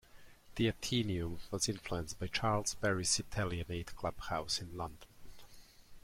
The Athenaeum was influenced by Charles Barry's Italianate club house in London.